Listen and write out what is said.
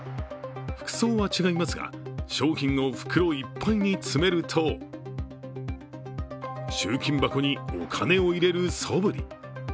服装は違いますが、商品を袋いっぱいに詰めると集金箱にお金を入れるそぶり。